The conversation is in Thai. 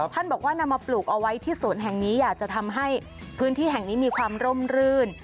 บอกว่านำมาปลูกเอาไว้ที่สวนแห่งนี้อยากจะทำให้พื้นที่แห่งนี้มีความร่มรื่น